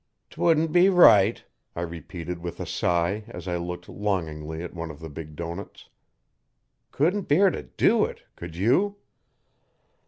''Twouldn't be right,' I repeated with a sigh as I looked longingly at one of the big doughnuts. 'Couldn't bear t' do it could you?'